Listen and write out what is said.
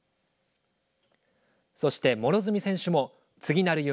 そして両角選手も次なる夢